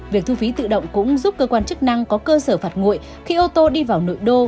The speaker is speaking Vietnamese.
việc thu phí tự động cũng giúp cơ quan chức năng có cơ sở phạt nguội khi ô tô đi vào nội đô